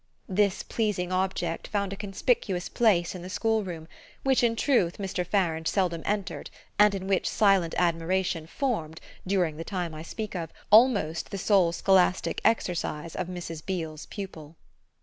This pleasing object found a conspicuous place in the schoolroom, which in truth Mr. Farange seldom entered and in which silent admiration formed, during the time I speak of, almost the sole scholastic exercise of Mrs. Beale's pupil.